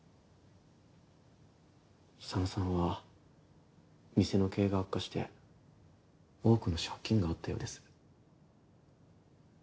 佐野さんは店の経営が悪化して多くの借金があったようです。